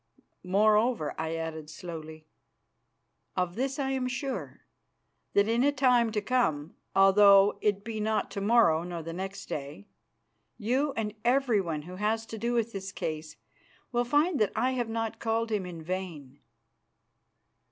Moreover," I added slowly, "of this I am sure, that in a time to come, although it be not to morrow or the next day, you and everyone who has to do with this case will find that I have not called Him in vain."